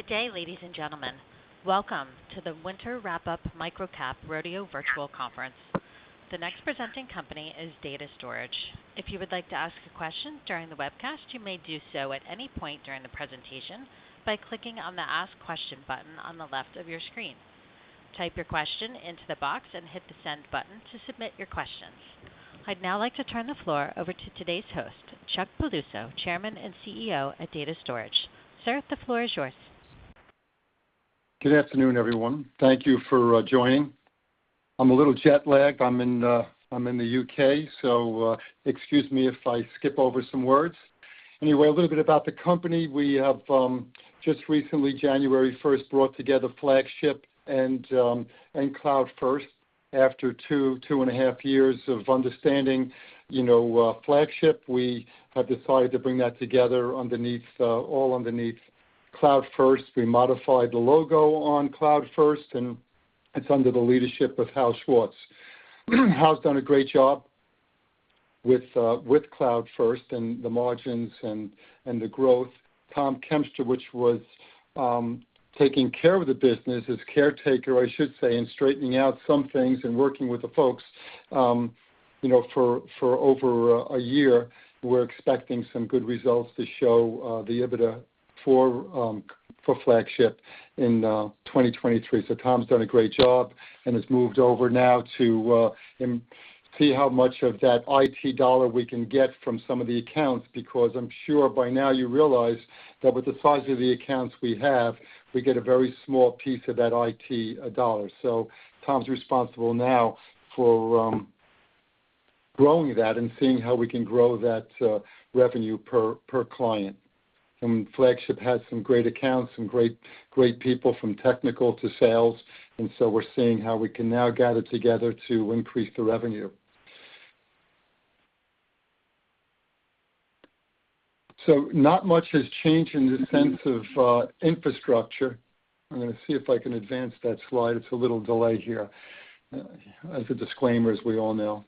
Good day, ladies and gentlemen. Welcome to the Winter Wrap-Up Microcap Rodeo Virtual Conference. The next presenting company is Data Storage. If you would like to ask a question during the webcast, you may do so at any point during the presentation by clicking on the Ask Question button on the left of your screen. Type your question into the box and hit the Send button to submit your questions. I'd now like to turn the floor over to today's host, Chuck Piluso, Chairman and CEO at Data Storage. Sir, the floor is yours. Good afternoon, everyone. Thank you for joining. I'm a little jet-lagged. I'm in the U.K., so excuse me if I skip over some words. Anyway, a little bit about the company: we have just recently, January 1st, brought together Flagship and CloudFirst. After two and a half years of understanding Flagship, we have decided to bring that together all underneath CloudFirst. We modified the logo on CloudFirst, and it's under the leadership of Hal Schwartz. Hal's done a great job with CloudFirst and the margins and the growth. Tom Kempster, which was taking care of the business, his caretaker, I should say, and straightening out some things and working with the folks for over a year, we're expecting some good results to show the EBITDA for Flagship in 2023. So Tom's done a great job and has moved over now to see how much of that IT dollar we can get from some of the accounts, because I'm sure by now you realize that with the size of the accounts we have, we get a very small piece of that IT dollar. So Tom's responsible now for growing that and seeing how we can grow that revenue per client. And Flagship has some great accounts, some great people from technical to sales, and so we're seeing how we can now gather together to increase the revenue. So not much has changed in the sense of infrastructure. I'm going to see if I can advance that slide. It's a little delay here. As a disclaimer, as we all know.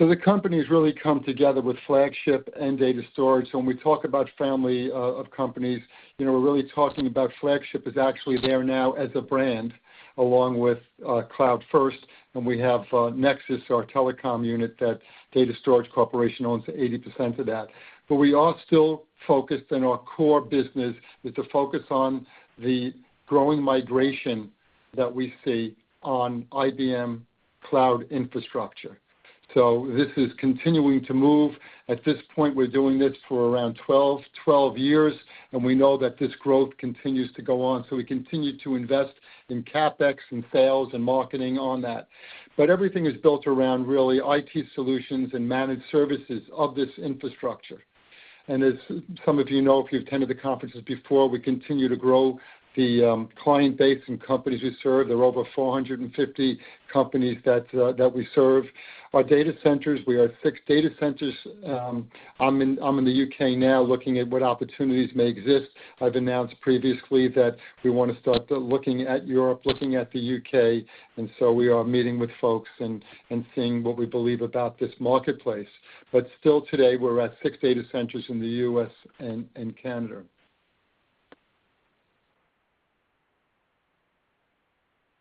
So the companies really come together with Flagship and Data Storage. So when we talk about family of companies, we're really talking about Flagship is actually there now as a brand along with CloudFirst. And we have Nexxis, our telecom unit that Data Storage Corporation owns 80% of that. But we are still focused in our core business is to focus on the growing migration that we see on IBM Cloud infrastructure. So this is continuing to move. At this point, we're doing this for around 12 years, and we know that this growth continues to go on. So we continue to invest in CapEx and sales and marketing on that. But everything is built around really IT solutions and managed services of this infrastructure. And as some of you know, if you've attended the conferences before, we continue to grow the client base and companies we serve. There are over 450 companies that we serve. Our data centers, we are six data centers. I'm in the U.K. now looking at what opportunities may exist. I've announced previously that we want to start looking at Europe, looking at the U.K., and so we are meeting with folks and seeing what we believe about this marketplace. But still today, we're at six data centers in the U.S. and Canada.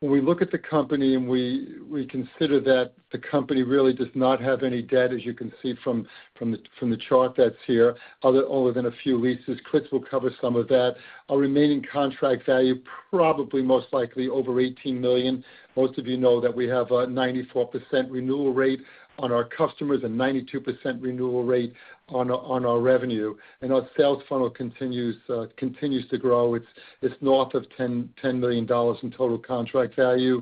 When we look at the company and we consider that the company really does not have any debt, as you can see from the chart that's here, other than a few leases. Chris will cover some of that. Our remaining contract value, probably most likely over $18 million. Most of you know that we have a 94% renewal rate on our customers and 92% renewal rate on our revenue. Our sales funnel continues to grow. It's north of $10 million in total contract value.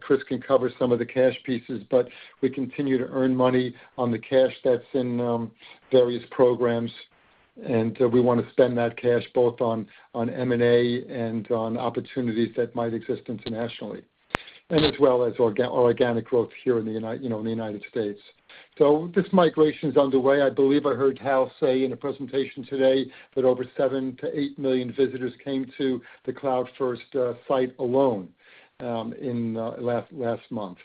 Chris can cover some of the cash pieces, but we continue to earn money on the cash that's in various programs, and we want to spend that cash both on M&A and on opportunities that might exist internationally, and as well as organic growth here in the United States. So this migration is underway. I believe I heard Hal say in a presentation today that over 7-8 million visitors came to the CloudFirst site alone in last month.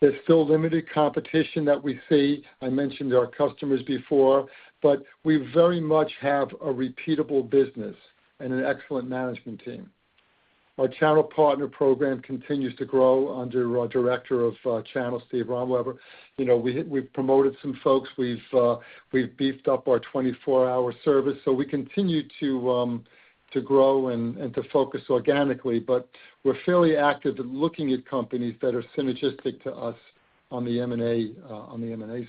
There's still limited competition that we see. I mentioned our customers before, but we very much have a repeatable business and an excellent management team. Our channel partner program continues to grow under our director of channel, Steve Romweber. We've promoted some folks. We've beefed up our 24-hour service. So we continue to grow and to focus organically, but we're fairly active at looking at companies that are synergistic to us on the M&A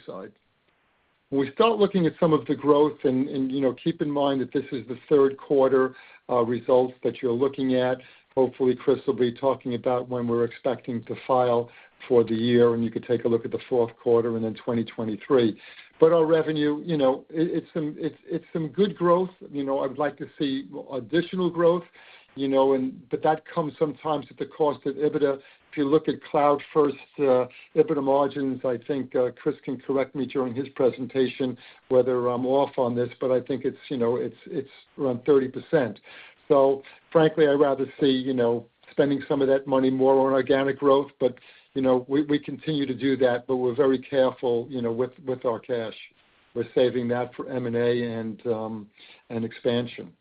side. When we start looking at some of the growth, and keep in mind that this is the third quarter results that you're looking at. Hopefully, Chris will be talking about when we're expecting to file for the year, and you could take a look at the fourth quarter and then 2023. But our revenue, it's some good growth. I would like to see additional growth, but that comes sometimes at the cost of EBITDA. If you look at CloudFirst's EBITDA margins, I think Chris can correct me during his presentation whether I'm off on this, but I think it's around 30%. So frankly, I'd rather see spending some of that money more on organic growth, but we continue to do that. But we're very careful with our cash. We're saving that for M&A and expansion.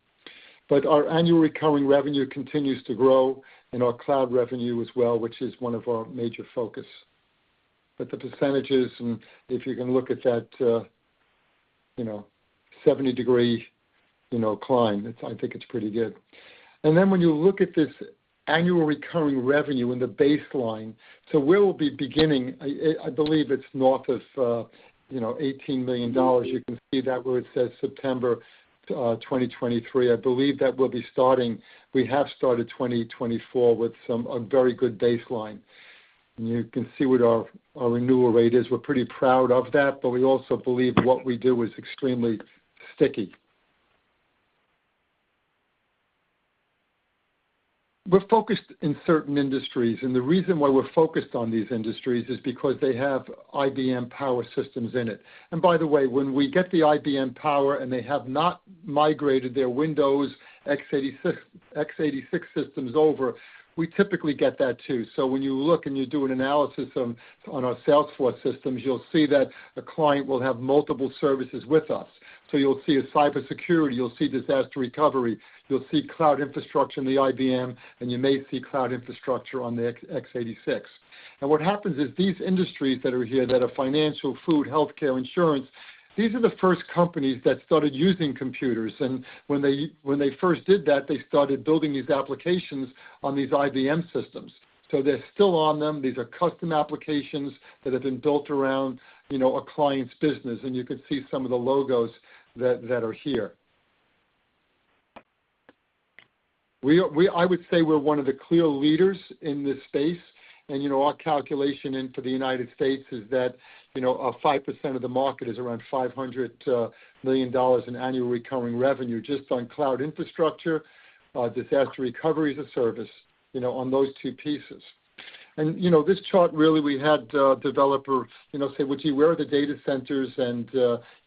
But our annual recurring revenue continues to grow, and our cloud revenue as well, which is one of our major focus. But the percentages, and if you can look at that 70-degree climb, I think it's pretty good. And then when you look at this annual recurring revenue in the baseline, so where we'll be beginning, I believe it's north of $18 million. You can see that where it says September 2023. I believe that we have started 2024 with a very good baseline. And you can see what our renewal rate is. We're pretty proud of that, but we also believe what we do is extremely sticky. We're focused in certain industries, and the reason why we're focused on these industries is because they have IBM Power Systems in it. And by the way, when we get the IBM Power and they have not migrated their Windows x86 systems over, we typically get that too. So when you look and you do an analysis on our Salesforce systems, you'll see that a client will have multiple services with us. So you'll see cybersecurity. You'll see disaster recovery. You'll see cloud infrastructure in the IBM, and you may see cloud infrastructure on the x86. Now, what happens is these industries that are here that are financial, food, healthcare, insurance; these are the first companies that started using computers. And when they first did that, they started building these applications on these IBM systems. So they're still on them. These are custom applications that have been built around a client's business, and you could see some of the logos that are here. I would say we're one of the clear leaders in this space, and our calculation for the United States is that 5% of the market is around $500 million in annual recurring revenue just on cloud infrastructure, disaster recovery as a service, on those two pieces. This chart, really, we had a developer say, "Would you wear the data centers and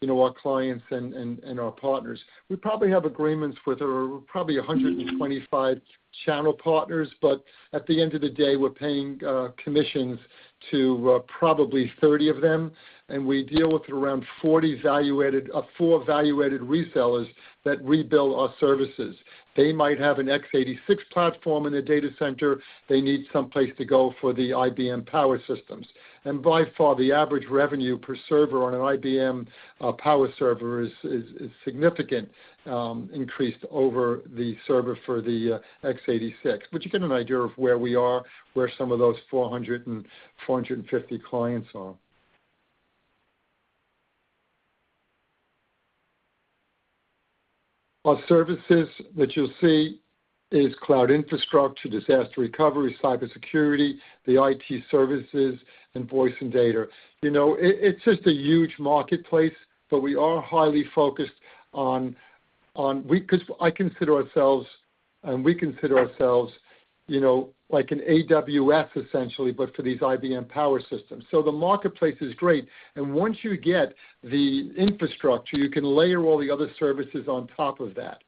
our clients and our partners?" We probably have agreements with probably 125 channel partners, but at the end of the day, we're paying commissions to probably 30 of them, and we deal with around 40 value-added resellers that rebuild our services. They might have an x86 platform in the data center. They need someplace to go for the IBM Power Systems. By far, the average revenue per server on an IBM Power server is significantly increased over the server for the x86, but you get an idea of where we are, where some of those 450 clients are. Our services that you'll see are cloud infrastructure, disaster recovery, cybersecurity, the IT services, invoicing, data. It's just a huge marketplace, but we are highly focused on because I consider ourselves and we consider ourselves like an AWS, essentially, but for these IBM Power Systems. So the marketplace is great, and once you get the infrastructure, you can layer all the other services on top of that.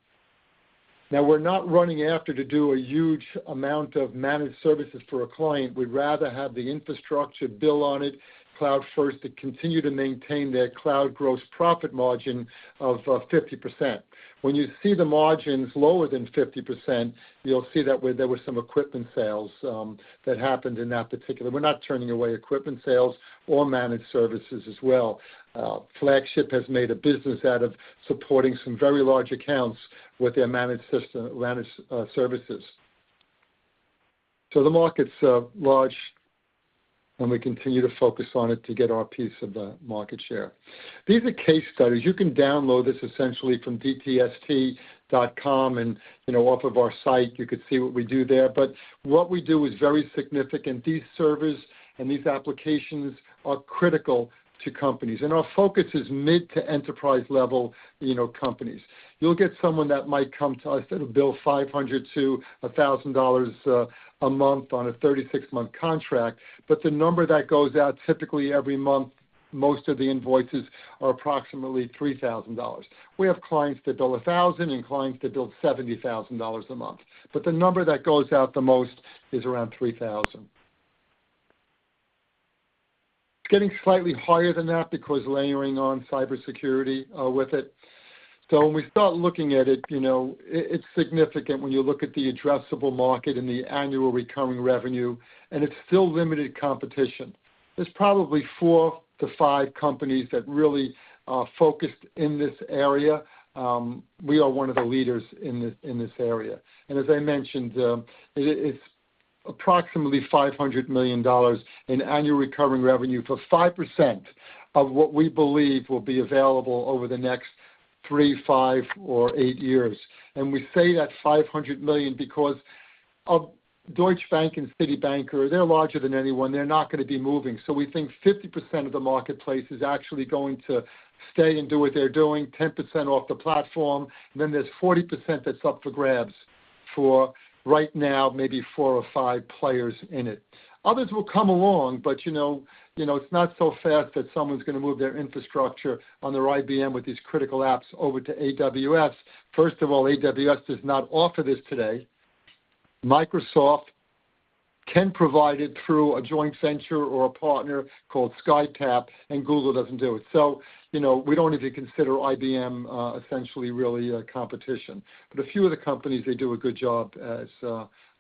Now, we're not running after to do a huge amount of managed services for a client. We'd rather have the infrastructure build on it, CloudFirst, to continue to maintain their cloud gross profit margin of 50%. When you see the margins lower than 50%, you'll see that there were some equipment sales that happened in that particular we're not turning away equipment sales or managed services as well. Flagship has made a business out of supporting some very large accounts with their managed services. So the market's large, and we continue to focus on it to get our piece of the market share. These are case studies. You can download this, essentially, from dtst.com and off of our site. You could see what we do there. But what we do is very significant. These servers and these applications are critical to companies, and our focus is mid to enterprise-level companies. You'll get someone that might come to us that'll bill $500-$1,000 a month on a 36-month contract, but the number that goes out typically every month, most of the invoices are approximately $3,000. We have clients that bill $1,000 and clients that bill $70,000 a month, but the number that goes out the most is around $3,000. It's getting slightly higher than that because layering on cybersecurity with it. So when we start looking at it, it's significant when you look at the addressable market and the annual recurring revenue, and it's still limited competition. There's probably 4-5 companies that really are focused in this area. We are one of the leaders in this area. And as I mentioned, it's approximately $500 million in annual recurring revenue for 5% of what we believe will be available over the next 3, 5, or 8 years. And we say that $500 million because Deutsche Bank and Citibank, they're larger than anyone. They're not going to be moving. So we think 50% of the marketplace is actually going to stay and do what they're doing, 10% off the platform, and then there's 40% that's up for grabs for right now, maybe four or five players in it. Others will come along, but it's not so fast that someone's going to move their infrastructure on their IBM with these critical apps over to AWS. First of all, AWS does not offer this today. Microsoft can provide it through a joint venture or a partner called Skytap, and Google doesn't do it. So we don't even consider IBM, essentially, really competition. But a few of the companies, they do a good job, as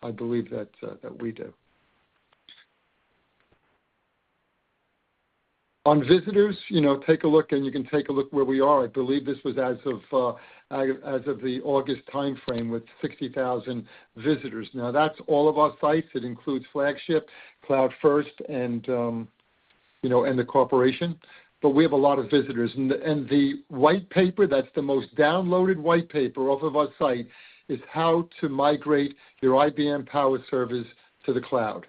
I believe that we do. On visitors, take a look, and you can take a look where we are. I believe this was as of the August timeframe with 60,000 visitors. Now, that's all of our sites. It includes Flagship, CloudFirst, and the corporation, but we have a lot of visitors. The white paper, that's the most downloaded white paper off of our site, is how to migrate your IBM Power Systems to the cloud.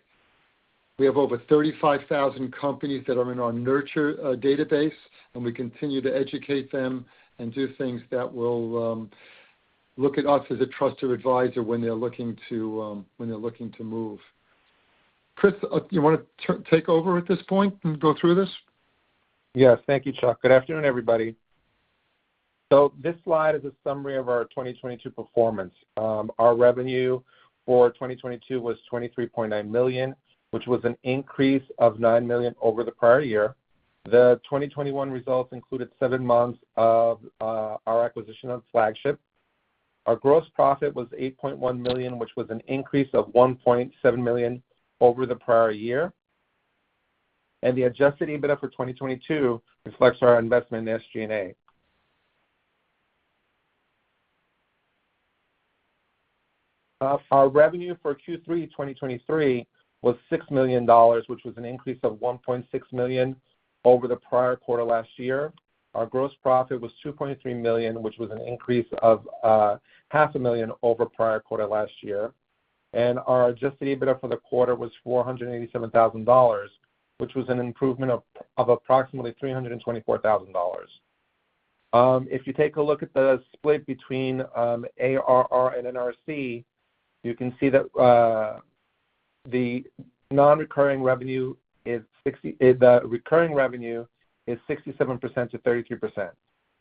We have over 35,000 companies that are in our nurture database, and we continue to educate them and do things that will look at us as a trusted advisor when they're looking to when they're looking to move. Chris, you want to take over at this point and go through this? Yes. Thank you, Chuck. Good afternoon, everybody. This slide is a summary of our 2022 performance. Our revenue for 2022 was $23.9 million, which was an increase of $9 million over the prior year. The 2021 results included seven months of our acquisition of Flagship. Our gross profit was $8.1 million, which was an increase of $1.7 million over the prior year. The adjusted EBITDA for 2022 reflects our investment in SG&A. Our revenue for Q3 2023 was $6 million, which was an increase of $1.6 million over the prior quarter last year. Our gross profit was $2.3 million, which was an increase of $500,000 over prior quarter last year. Our adjusted EBITDA for the quarter was $487,000, which was an improvement of approximately $324,000. If you take a look at the split between ARR and NRC, you can see that the non-recurring revenue is the recurring revenue is 67%-33%.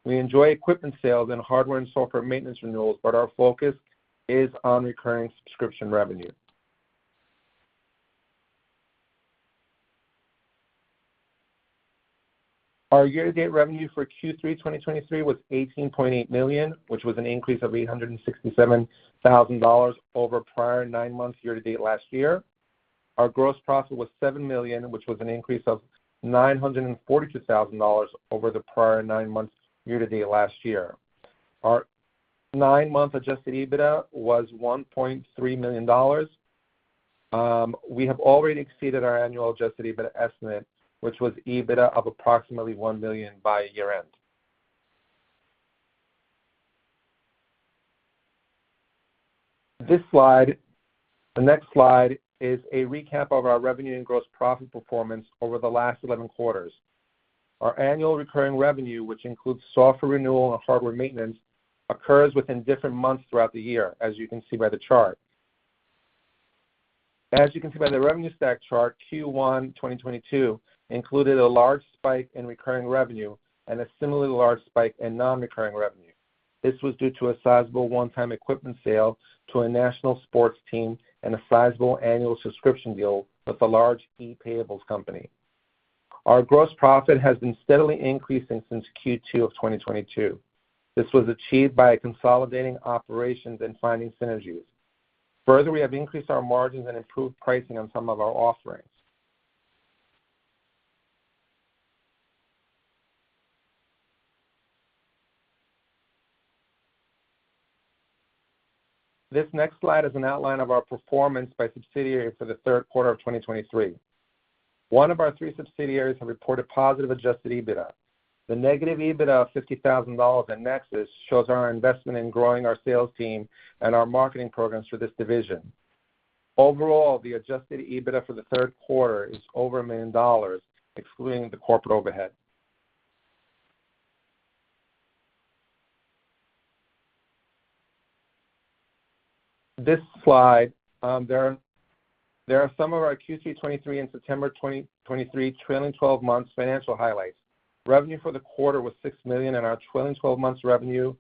We enjoy equipment sales and hardware and software maintenance renewals, but our focus is on recurring subscription revenue. Our year-to-date revenue for Q3 2023 was $18.8 million, which was an increase of $867,000 over prior nine months year-to-date last year. Our gross profit was $7 million, which was an increase of $942,000 over the prior nine months year-to-date last year. Our nine-month adjusted EBITDA was $1.3 million. We have already exceeded our annual adjusted EBITDA estimate, which was EBITDA of approximately $1 million by year-end. The next slide is a recap of our revenue and gross profit performance over the last 11 quarters. Our annual recurring revenue, which includes software renewal and hardware maintenance, occurs within different months throughout the year, as you can see by the chart. As you can see by the revenue stack chart, Q1 2022 included a large spike in recurring revenue and a similarly large spike in non-recurring revenue. This was due to a sizable one-time equipment sale to a national sports team and a sizable annual subscription deal with a large ePayables company. Our gross profit has been steadily increasing since Q2 of 2022. This was achieved by consolidating operations and finding synergies. Further, we have increased our margins and improved pricing on some of our offerings. This next slide is an outline of our performance by subsidiary for the third quarter of 2023. One of our three subsidiaries has reported positive adjusted EBITDA. The negative EBITDA of $50,000 in Nexxis shows our investment in growing our sales team and our marketing programs for this division. Overall, the adjusted EBITDA for the third quarter is over $1 million, excluding the corporate overhead. This slide, there are some of our Q3 2023 and September 2023 trailing 12 months financial highlights. Revenue for the quarter was $6 million, and our trailing 12 months revenue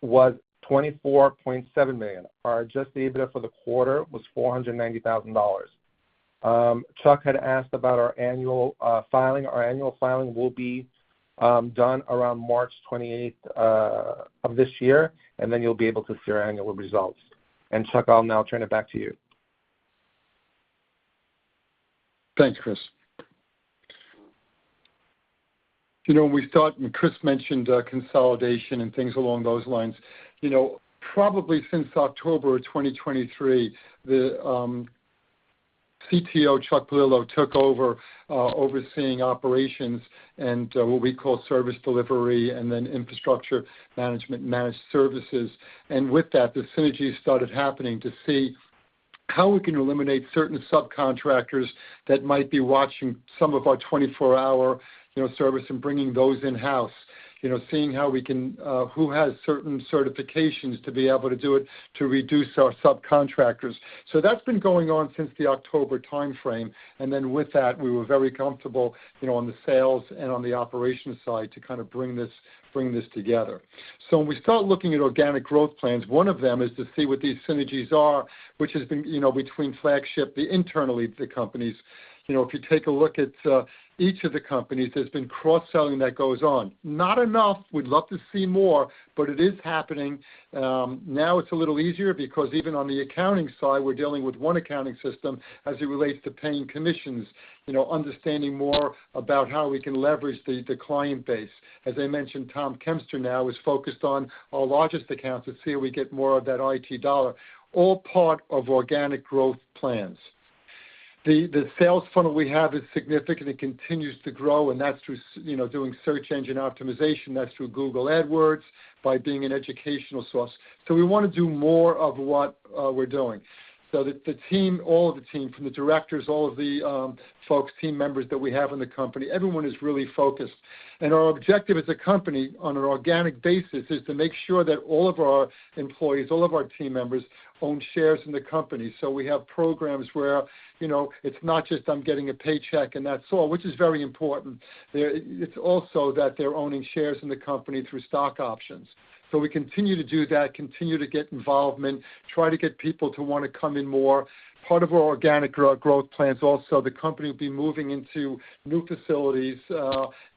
was $24.7 million. Our adjusted EBITDA for the quarter was $490,000. Chuck had asked about our annual filing. Our annual filing will be done around March 28th of this year, and then you'll be able to see our annual results. And Chuck, I'll now turn it back to you. Thanks, Chris. When we started, Chris mentioned consolidation and things along those lines. Probably since October of 2023, the CTO, Chuck Paolillo, took over overseeing operations and what we call service delivery and then infrastructure management, managed services. And with that, the synergies started happening to see how we can eliminate certain subcontractors that might be watching some of our 24-hour service and bringing those in-house, seeing who has certain certifications to be able to do it to reduce our subcontractors. So that's been going on since the October timeframe. And then with that, we were very comfortable on the sales and on the operations side to kind of bring this together. So when we start looking at organic growth plans, one of them is to see what these synergies are, which has been between Flagship, the internally the companies. If you take a look at each of the companies, there's been cross-selling that goes on. Not enough. We'd love to see more, but it is happening. Now it's a little easier because even on the accounting side, we're dealing with one accounting system as it relates to paying commissions, understanding more about how we can leverage the client base. As I mentioned, Tom Kempster now is focused on our largest accounts to see if we get more of that IT dollar, all part of organic growth plans. The sales funnel we have is significant. It continues to grow, and that's through doing search engine optimization. That's through Google AdWords by being an educational source. So we want to do more of what we're doing. So all of the team, from the directors, all of the folks, team members that we have in the company, everyone is really focused. Our objective as a company on an organic basis is to make sure that all of our employees, all of our team members own shares in the company. So we have programs where it's not just, "I'm getting a paycheck," and that's all, which is very important. It's also that they're owning shares in the company through stock options. So we continue to do that, continue to get involvement, try to get people to want to come in more. Part of our organic growth plans also, the company will be moving into new facilities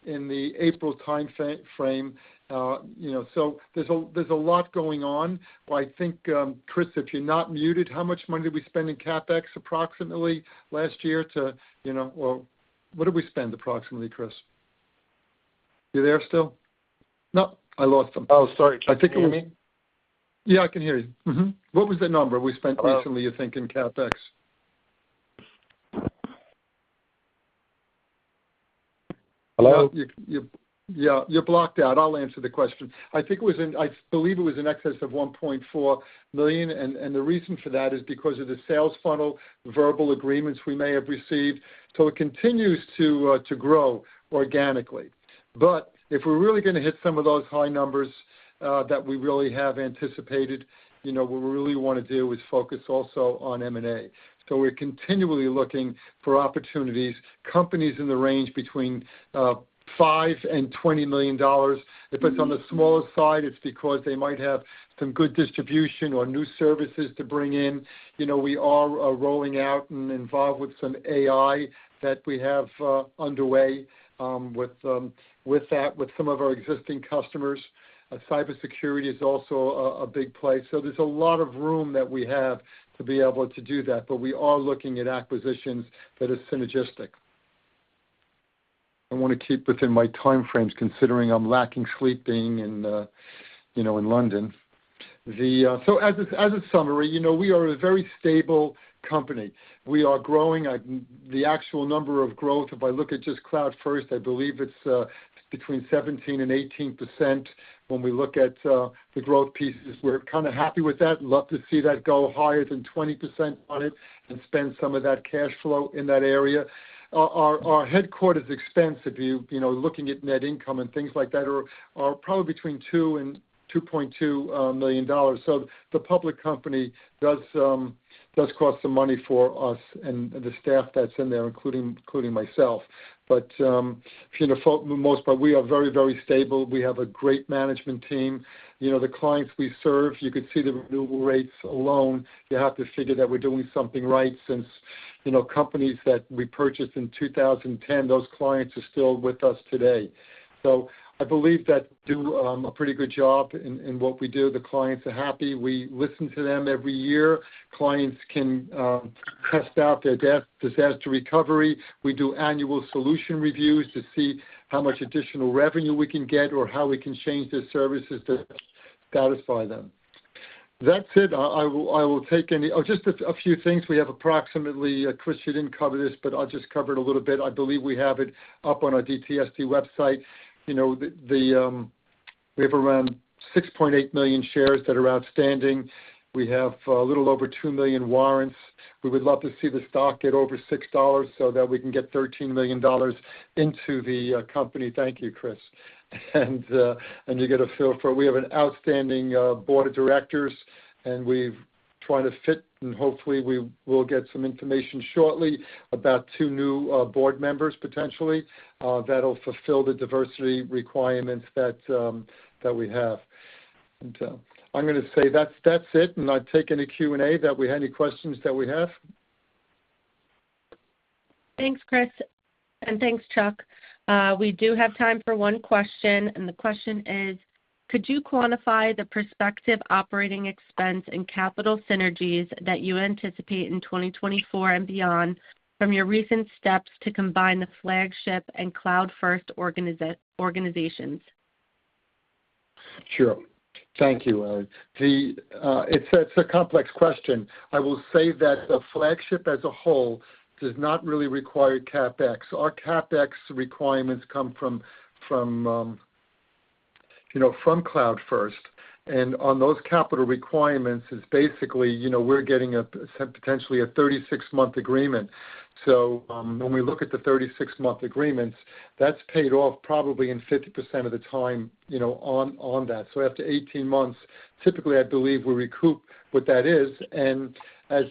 in the April timeframe. So there's a lot going on. I think, Chris, if you're not muted, how much money did we spend in CapEx approximately last year, too? Well, what did we spend approximately, Chris? You there still? Nope. I lost him. Oh, sorry. Can you hear me? Yeah, I can hear you. What was the number we spent recently, you think, in CapEx? Hello? Yeah. You're blocked out. I'll answer the question. I think it was, I believe, in excess of $1.4 million. And the reason for that is because of the sales funnel, verbal agreements we may have received. So it continues to grow organically. But if we're really going to hit some of those high numbers that we really have anticipated, what we really want to do is focus also on M&A. So we're continually looking for opportunities, companies in the range between $5 million and $20 million. If it's on the smallest side, it's because they might have some good distribution or new services to bring in. We are rolling out and involved with some AI that we have underway with that, with some of our existing customers. Cybersecurity is also a big place. So there's a lot of room that we have to be able to do that, but we are looking at acquisitions that are synergistic. I want to keep within my timeframes considering I'm lacking sleep being in London. So as a summary, we are a very stable company. We are growing. The actual number of growth, if I look at just CloudFirst, I believe it's between 17%-18% when we look at the growth pieces. We're kind of happy with that. Love to see that go higher than 20% on it and spend some of that cash flow in that area. Our headquarters expense, if you're looking at net income and things like that, are probably between $2 million-$2.2 million. So the public company does cost some money for us and the staff that's in there, including myself. But for the most part, we are very, very stable. We have a great management team. The clients we serve, you could see the renewal rates alone. You have to figure that we're doing something right since companies that we purchased in 2010, those clients are still with us today. So I believe that we do a pretty good job in what we do. The clients are happy. We listen to them every year. Clients can test out their disaster recovery. We do annual solution reviews to see how much additional revenue we can get or how we can change their services to satisfy them. That's it. I will take any, oh, just a few things. We have approximately, Chris, you didn't cover this, but I'll just cover it a little bit. I believe we have it up on our DTST website. We have around 6.8 million shares that are outstanding. We have a little over 2 million warrants. We would love to see the stock get over $6 so that we can get $13 million into the company. Thank you, Chris. You get a feel for it. We have an outstanding board of directors, and we've tried to fit, and hopefully, we will get some information shortly about two new board members, potentially, that'll fulfill the diversity requirements that we have. I'm going to say that's it, and I'll take any Q&A that we have, any questions that we have. Thanks, Chris. Thanks, Chuck. We do have time for one question. The question is, could you quantify the prospective operating expense and capital synergies that you anticipate in 2024 and beyond from your recent steps to combine the Flagship and CloudFirst organizations? Sure. Thank you, Ellie. It's a complex question. I will say that the Flagship as a whole does not really require CapEx. Our CapEx requirements come from CloudFirst. And on those capital requirements, it's basically we're getting potentially a 36-month agreement. So when we look at the 36-month agreements, that's paid off probably in 50% of the time on that. So after 18 months, typically, I believe we recoup what that is. And as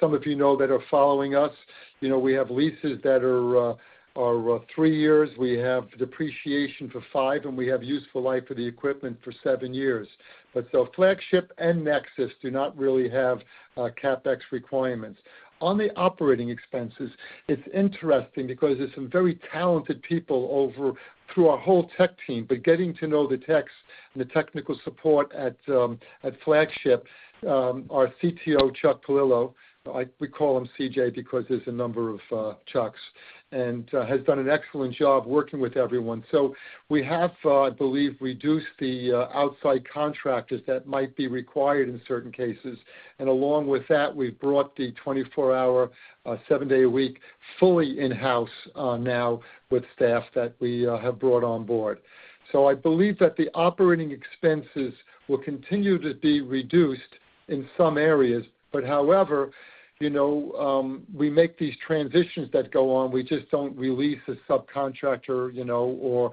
some of you know that are following us, we have leases that are 3 years. We have depreciation for 5, and we have useful life for the equipment for 7 years. But so Flagship and Nexxis do not really have CapEx requirements. On the operating expenses, it's interesting because there's some very talented people through our whole tech team, but getting to know the techs and the technical support at Flagship, our CTO, Chuck Paolillo—we call him CJ because there's a number of Chucks—has done an excellent job working with everyone. So we have, I believe, reduced the outside contractors that might be required in certain cases. Along with that, we've brought the 24-hour, 7-day-a-week fully in-house now with staff that we have brought on board. So I believe that the operating expenses will continue to be reduced in some areas. But however, we make these transitions that go on. We just don't release a subcontractor or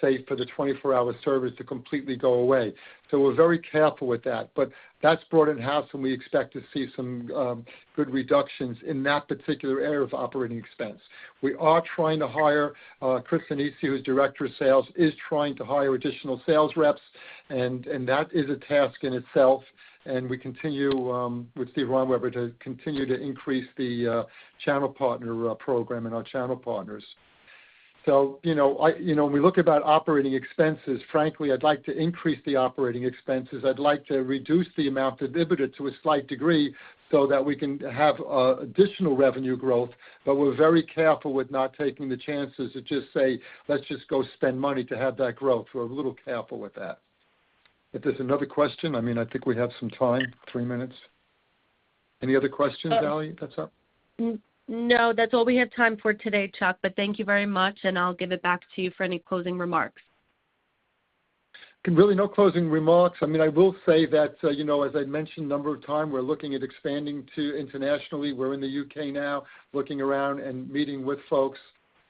say for the 24-hour service to completely go away. So we're very careful with that. But that's brought in-house, and we expect to see some good reductions in that particular area of operating expense. We are trying to hire Chris Anisi, who's director of sales, is trying to hire additional sales reps. And that is a task in itself. And we continue with Steve Romweber to continue to increase the channel partner program and our channel partners. So when we look about operating expenses, frankly, I'd like to increase the operating expenses. I'd like to reduce the amount of dividend to a slight degree so that we can have additional revenue growth. But we're very careful with not taking the chances to just say, "Let's just go spend money to have that growth." We're a little careful with that. If there's another question, I mean, I think we have some time, three minutes. Any other questions, Ellie? That's all? No, that's all we have time for today, Chuck. But thank you very much, and I'll give it back to you for any closing remarks. Really, no closing remarks. I mean, I will say that, as I'd mentioned a number of times, we're looking at expanding internationally. We're in the U.K. now, looking around and meeting with folks,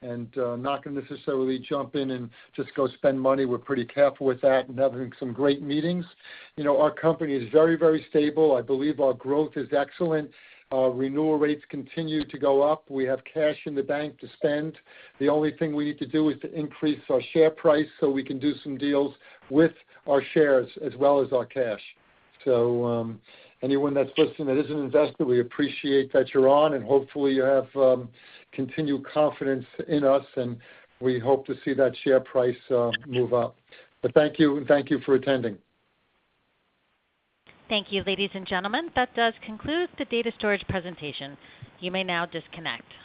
and not going to necessarily jump in and just go spend money. We're pretty careful with that and having some great meetings. Our company is very, very stable. I believe our growth is excellent. Renewal rates continue to go up. We have cash in the bank to spend. The only thing we need to do is to increase our share price so we can do some deals with our shares as well as our cash. So anyone that's listening that is an investor, we appreciate that you're on, and hopefully, you have continued confidence in us, and we hope to see that share price move up. But thank you, and thank you for attending. Thank you, ladies and gentlemen. That does conclude the Data Storage presentation. You may now disconnect.